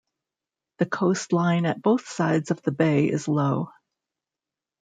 The coastline at both sides of the bay is low.